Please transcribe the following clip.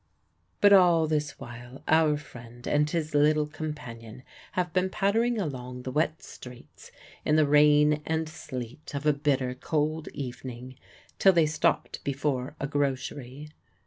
But all this while our friend and his little companion have been pattering along the wet streets, in the rain and sleet of a bitter cold evening, till they stopped before a grocery.